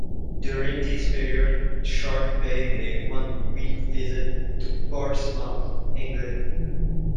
During this period, "Shark" paid a one-week visit to Portsmouth, England.